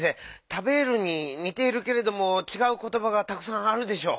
「たべる」ににているけれどもちがうことばがたくさんあるでしょ。